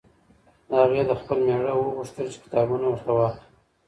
هغې ه خپل مېړه وغوښتل چې کتابونه ورته واخلي.